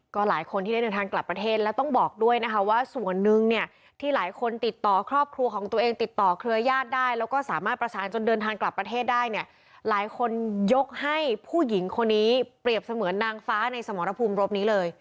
ก็หลายคนที่ได้เดินทางกลับประเทศแล้วต้องบอกด้วยนะคะว่าส่วนหนึ่งเนี่ยที่หลายคนติดต่อครอบครัวของตัวเองติดต่อเครือญาติได้แล้วก็สามารถประสานจนเดินทางกลับประเทศได้เนี่ยหลายคนยกให้ผู้หญิงคนนี้เปรียบเสมือนนางฟ้าในสมรภูมิรบนี้เลย